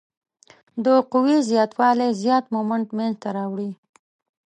د قوې زیات والی زیات مومنټ منځته راوړي.